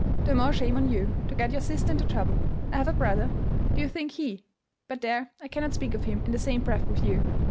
"The more shame on you to get your sister into trouble. I have a brother. Do you think he—but there, I cannot speak of him in the same breath with you.